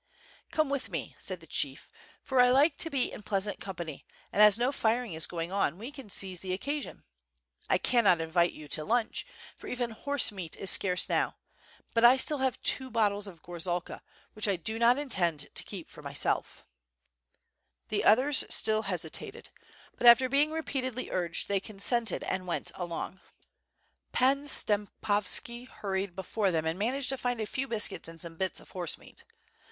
*' "Come with me, said the chief, "for I like to be in pleas ant company, and as no firing is going on, we can seize the occasion. I cannot invite you to hmch, for even horse meat is scarce now, but I have still two bottles of gorzalka, which I do not intend to keep for myself. WITB FIRE AND SWORD. 749 The others still hesitated, but after being repeatedly urged, they consented and went along. Pan Stempovski hurried be fore them and managed to find a few biscuits and some bits of horse meat.